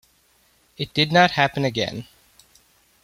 It did not happen again.